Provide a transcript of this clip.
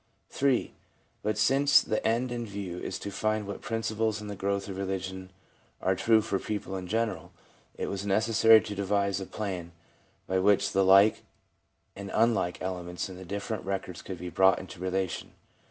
3. But since the end in view is to find what principles in {he growth of religion are true for people in general, it was necessary to devise a plan by which the like and unlike elements in the different records could be brought into relation.